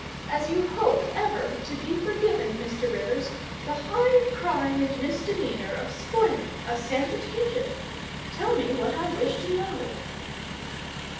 As you hope ever to be forgiven, Mr. Rivers, the high crime and misdemeanour of spoiling a sanded kitchen, tell me what I wish to know."